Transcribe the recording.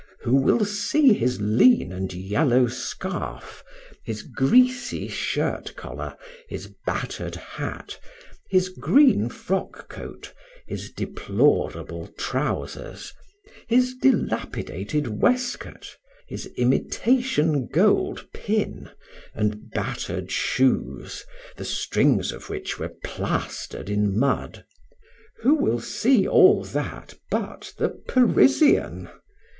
Who will see his lean and yellow scarf, his greasy shirt collar, his battered hat, his green frock coat, his deplorable trousers, his dilapidated waistcoat, his imitation gold pin, and battered shoes, the strings of which were plastered in mud? Who will see all that but the Parisian?